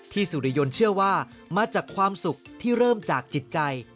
สุริยนต์เชื่อว่ามาจากความสุขที่เริ่มจากจิตใจ